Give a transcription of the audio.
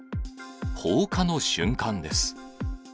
放火の瞬間です。